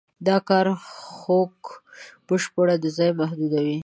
دا کار خوک بشپړاً د ځای محدودوي.